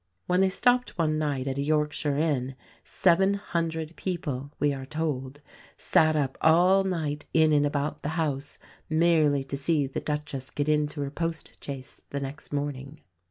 When they stopped one night at a Yorkshire inn, "seven hundred people," we are told, "sat up all night in and about the house merely to see the Duchess get into her post chaise the next morning."